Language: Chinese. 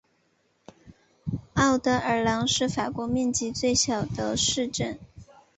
沃德尔朗是法国面积最小的市镇。